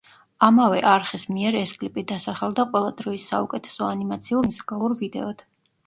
ამავე არხის მიერ ეს კლიპი დასახელდა ყველა დროის საუკეთესო ანიმაციურ მუსიკალურ ვიდეოდ.